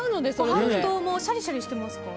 シャリシャリしてますか？